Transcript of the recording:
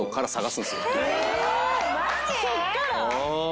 そこから？